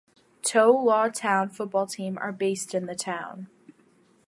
Tow Law Town football team are based in the town.